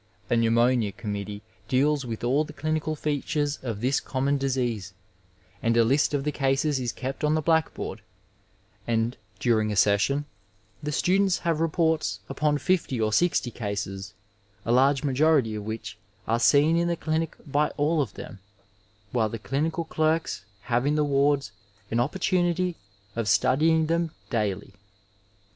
A pneumonia com mittee deals with all the clinical features of this common disease, and a list of the cases is kept on the blackboard, and during a session the students have reports upon fifty or sixty cases, a large majority of which are seen in the 839 Digitized by VjOOQIC THE HOSPITAL AS A COLLEGE clinic by all of them, while the clinical clerks have in tibe wards an opportunity of studying them doily.